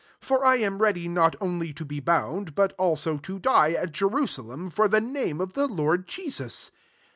for 1 am ready not only to be bound, but also to die, at Jeru salem, for the name of the Lord Jesus."